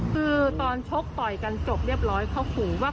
คือตอนชกต่อยกันจบเรียบร้อยเขาขู่ว่า